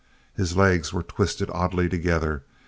His legs were twisted oddly together.